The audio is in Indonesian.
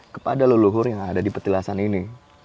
kepada leluhur yang ada di petilasan ini